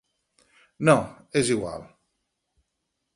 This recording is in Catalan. —No, és igual.